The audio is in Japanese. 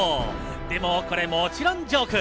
でも、これもちろんジョーク。